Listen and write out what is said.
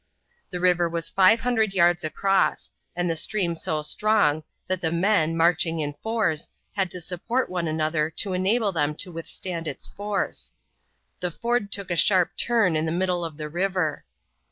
The river was five hundred yards across, and the stream so strong that the men, marching in fours, had to support one another to enable them to withstand its force. The ford took a sharp turn in the middle of the river.